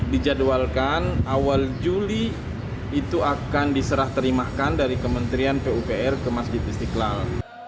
dijadwalkan awal juli itu akan diserah terimakan dari kementerian pupr ke masjid istiqlal